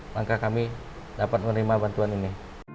maka kami dapat menerima bantuan ini